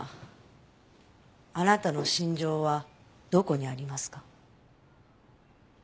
あなたの信条はどこにありますか？